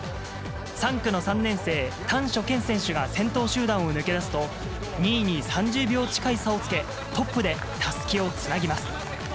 ３区の３年生、丹所健選手が先頭集団を抜け出すと、２位に３０秒近い差をつけ、トップでたすきをつなぎます。